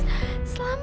aku mau ke rumah